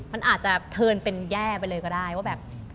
มันอาจจะเทินเป็นแย่ไปเลยก็ได้ว่าแบบ